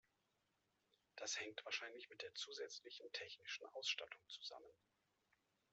Das hängt wahrscheinlich mit der zusätzlichen technischen Ausstattung zusammen.